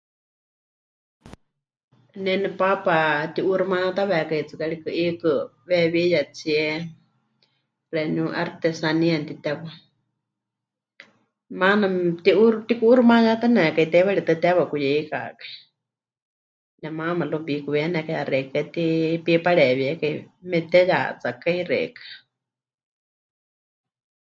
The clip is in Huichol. Ne nepaapa pɨti'uuximayátawekai tsɨ karikɨ 'iikɨ weewiyatsie, xeeníu 'artesanía mɨtitewá, maana pɨti'uxi... pɨtiku'uuximayátanekai teiwaritɨ́a teewa pɨkuyeikakai, nemaama luego pikuweiyanekai yaxeikɨ́a ti... pipareewíekai, mepɨteyatsakai xeikɨ́a.